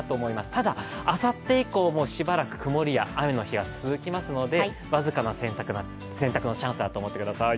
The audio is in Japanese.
ただ、あさって以降もしばらく曇りや雨の日が続きますので、僅かな洗濯のチャンスだと思ってください。